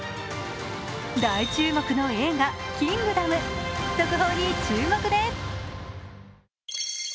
大注目の映画「キングダム」続報に注目です。